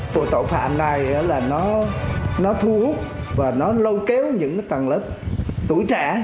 lùa tàu phạm này là nó thu hút và nó lâu kéo những tầng lớp tuổi trẻ